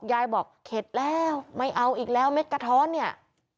ยายบอกเข็ดแล้วไม่เอาอีกแล้วเม็ดกระท้อนเนี่ย